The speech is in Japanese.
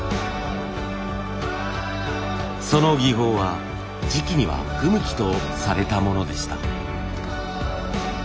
その技法は磁器には不向きとされたものでした。